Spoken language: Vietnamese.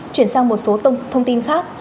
chuyển sang một số thông tin khác